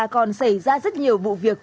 còn xảy ra rất nhiều vụ việc